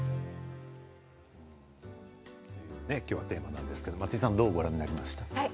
というテーマですが、松居さんはどうご覧になりましたか。